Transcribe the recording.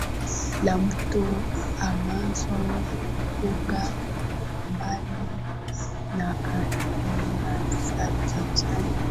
la mto Amazon hukaa mbali na aina za kijani